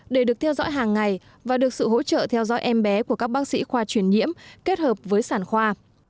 để được theo dõi hàng ngày và được sự hỗ trợ theo dõi em bé của các bác sĩ khoa truyền nhiễm kết hợp với sản khoa